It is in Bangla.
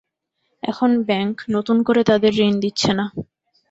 এখন ব্যাংক নতুন করে তাঁদের ঋণ দিচ্ছে না।